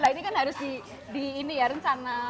nah ini kan harus di ini ya rencana